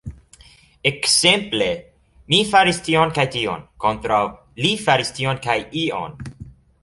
Ekzemple, "mi faris tion kaj tion" kontraŭ "li faris tion kaj ion".